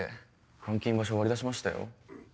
監禁場所割り出しましたよ。